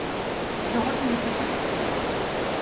Jag har inget recept på det.